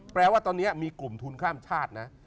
แปลว่าตอนนี้มีกลุ่มทุนข้ามชาตินะ